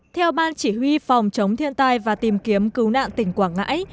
theo ban chỉ huy phòng chống thiên tai và tìm kiếm cứu nạn tỉnh quảng ngãi